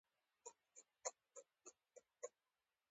د پخواني پاټک پر سر د طالبانو سپين بيرغ رپېده.